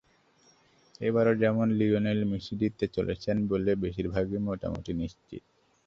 এবারও যেমন Lionel Messi জিততে চলেছেন বলে বেশির ভাগই মোটামুটি নিশ্চিত।